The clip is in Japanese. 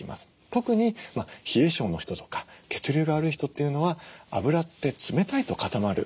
特に冷え症の人とか血流が悪い人っていうのは脂って冷たいと固まる。